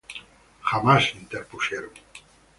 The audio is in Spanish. jamás se interpusieron